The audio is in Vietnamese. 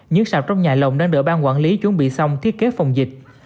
những sạp trong nhà lồng đang đỡ bang quản lý chuẩn bị xong thiết kế phòng dịch